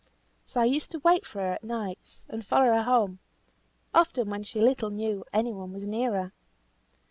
So I used to wait for her at nights, and follow her home, often when she little knew any one was near her.